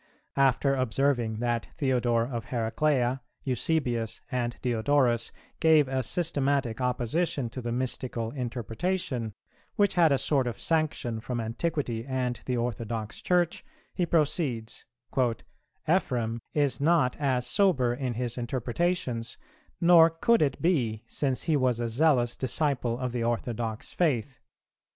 After observing that Theodore of Heraclea, Eusebius, and Diodorus gave a systematic opposition to the mystical interpretation, which had a sort of sanction from Antiquity and the orthodox Church, he proceeds; "Ephrem is not as sober in his interpretations, nor could it be, since he was a zealous disciple of the orthodox faith.